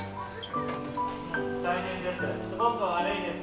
大変です。